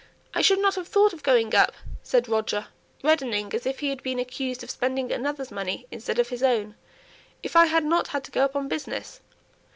"I shouldn't have thought of going up," said Roger, reddening as if he had been accused of spending another's money instead of his own, "if I hadn't had to go up on business.